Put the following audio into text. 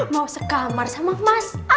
mau segamar sama mas al